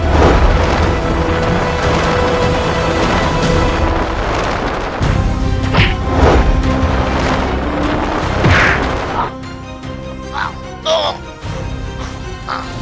hidup raden kian santap